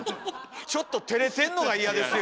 ちょっとてれてんのが嫌ですよ！